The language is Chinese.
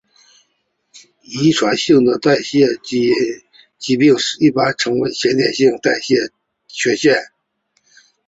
遗传性的代谢疾病一般称为先天性代谢缺陷。